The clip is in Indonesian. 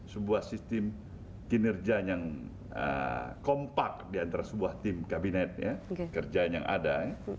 sebuah sistem kinerja yang kompak diantara sebuah tim kabinet kerja yang ada